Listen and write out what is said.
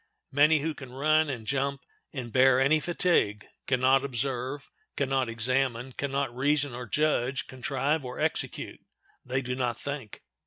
Many who can run and jump and bear any fatigue can not observe, can not examine, can not reason or judge, contrive or execute—they do not think.